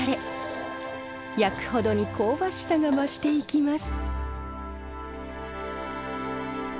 焼くほどに香ばしさが増していきます。